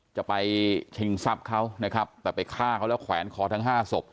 จะไปชิงทรัพย์เขานะครับแต่ไปฆ่าเขาแล้วแขวนคอทั้งห้าศพ